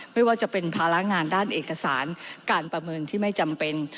ไม่ว่าจะเป็นภาระงานด้านเอกสารการประเมินที่ไม่จำเป็น